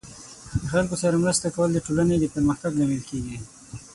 د خلکو سره مرسته کول د ټولنې د پرمختګ لامل کیږي.